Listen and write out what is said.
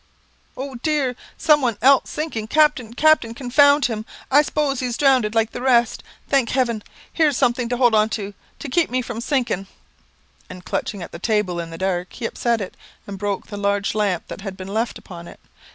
"Oh, dear! Some one else sinking. Captain captain confound him! I s'pose he's drownded, like the rest. Thank heaven! here's something to hold on to, to keep me from sinking;" and, clutching at the table in the dark, he upset it, and broke the large lamp that had been left upon it.